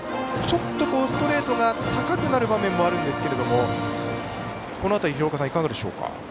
ちょっとストレートが高くなる場面もあるんですがこの辺り、廣岡さんいかがでしょうか。